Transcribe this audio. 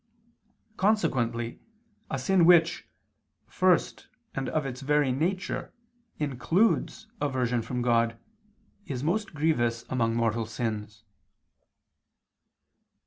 Consequently a sin which, first and of its very nature, includes aversion from God, is most grievous among mortal sins.